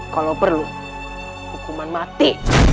kalau perlu hukuman mati